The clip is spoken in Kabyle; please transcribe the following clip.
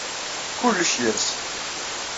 Kullec yers.